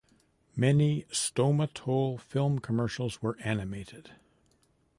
Many Stomatol film commercials were animated.